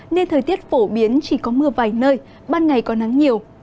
nên thời tiết phổ biến chỉ có mưa vài nơi ban ngày có nắng nhiều